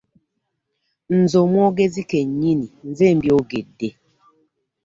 Nze omwogezi kennyini nze mbyogedde.